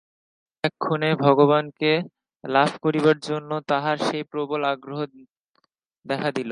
এক্ষণে ভগবানকে লাভ করিবার জন্য তাঁহার সেই প্রবল আগ্রহ দেখা দিল।